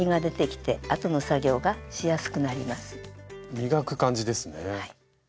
磨く感じですね。